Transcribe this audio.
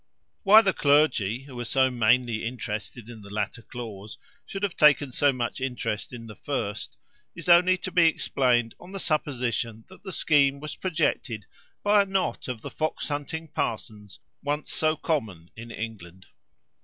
Why the clergy, who were so mainly interested in the latter clause, should have taken so much interest in the first, is only to be explained on the supposition that the scheme was projected by a knot of the fox hunting parsons, once so common in England.